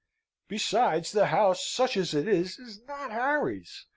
Besides, the house, such as it is, is not Harry's.